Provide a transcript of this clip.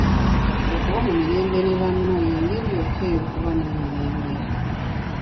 Okuba mu mirembe ne banno y'engeri yokka ey'okuba n'emirembe.